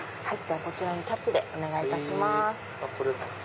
こちらにタッチでお願いいたします。